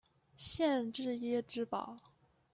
县治耶芝堡。